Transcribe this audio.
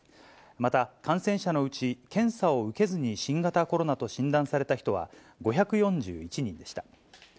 また、感染者のうち検査を受けずに新型コロナと診断された人は、５４１人でした。